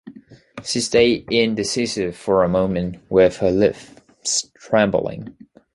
She stayed indecisive for a moment, with her lips trembling.